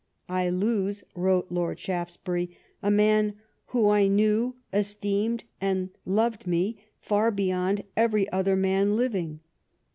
*' I lose," wrote Lord Shaftesbury, " a man who, I knew, esteemed and loved me far beyond every other man living.